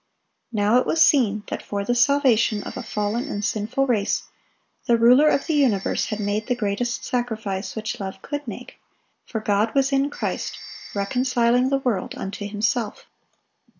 Now it was seen that for the salvation of a fallen and sinful race, the Ruler of the universe had made the greatest sacrifice which love could make; for "God was in Christ, reconciling the world unto Himself."